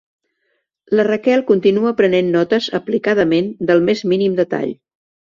La Raquel continua prenent notes aplicadament del més mínim detall.